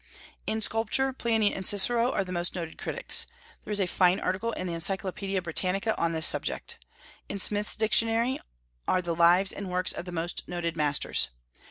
In Sculpture, Pliny and Cicero are the most noted critics. There is a fine article in the Encyclopaedia Britannica on this subject. In Smith's Dictionary are the Lives and works of the most noted masters.